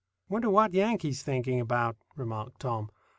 "Wonder what Yankee's thinking about?" remarked Tom.